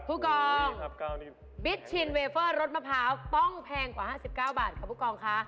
ผู้กองบิชชินเวเฟอร์รสมะพร้าวต้องแพงกว่า๕๙บาทค่ะผู้กองค่ะ